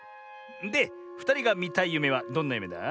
でふたりがみたいゆめはどんなゆめだ？